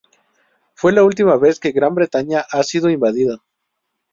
Fue la última vez que Gran Bretaña ha sido invadido.